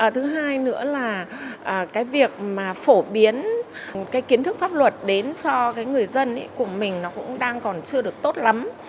thứ hai nữa là cái việc mà phổ biến cái kiến thức pháp luật đến cho cái người dân của mình nó cũng đang còn chưa được tốt lắm